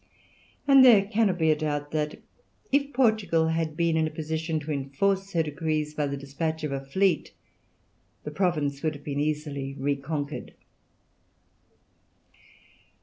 And there cannot be a doubt that, if Portugal had been in a position to enforce her decrees by the despatch of a fleet, the province would have been easily reconquered.